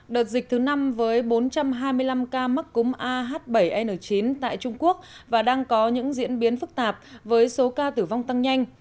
đợt dịch thứ năm với bốn trăm hai mươi năm ca mắc cúm ah bảy n chín tại trung quốc và đang có những diễn biến phức tạp với số ca tử vong tăng nhanh